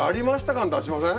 感出しません？